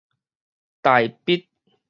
大闢